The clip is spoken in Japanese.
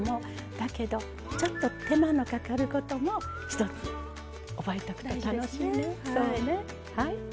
だけどちょっと手間のかかることも一つ、覚えておくといいですね。